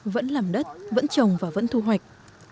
vẫn làm đất vẫn trồng và vẫn thu hoạch